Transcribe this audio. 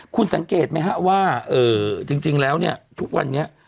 คุณสังเกตไหมฮะว่าจริงแล้วเนี่ยทุกวันนี้